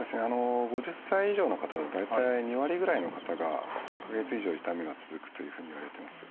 ５０歳以上の方で大体２割ぐらいの方が３か月以上痛みが続くというふうにいわれています。